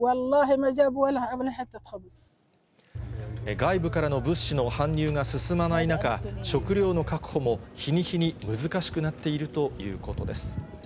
外部からの物資の搬入が進まない中、食料の確保も日に日に難しくなっているということです。